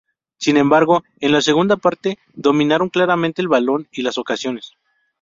Sin embargo, en la segunda parte dominaron claramente el balón y las ocasiones.